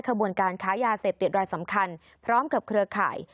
ขบวนการค้ายาเสพติดรายสำคัญพร้อมกับเครือข่าย